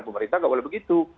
pemerintah nggak boleh begitu